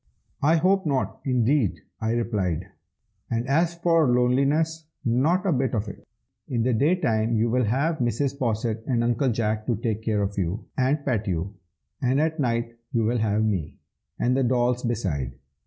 "I hope not, indeed!" I replied; "and as for loneliness, not a bit of it. In the day time you will have Mrs. Posset and Uncle Jack to take care of you and pet you, and at night you will have me, and the dolls beside.